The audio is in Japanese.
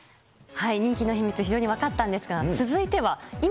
人気の秘密、非常に分かったんですが、続いては、今、